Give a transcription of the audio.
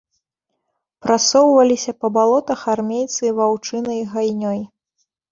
Прасоўваліся па балотах армейцы ваўчынай гайнёй.